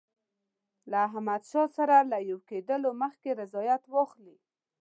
له احمدشاه سره له یو کېدلو مخکي رضایت واخلي.